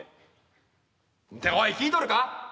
っておい聞いとるか！